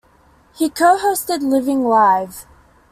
He co-hosted Living Live!